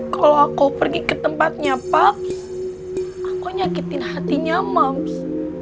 kalau aku pergi ke tempatnya pak aku nyakitin hatinya mobs